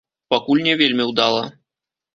Пакуль не вельмі ўдала.